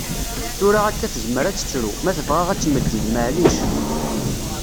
Tura akka tezmer ad tettru, ma tebɣa ad ttmeǧǧed, maɛlic.